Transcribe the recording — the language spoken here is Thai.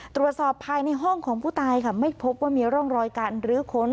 ตรวจสอบภายในห้องของผู้ตายค่ะไม่พบว่ามีร่องรอยการรื้อค้น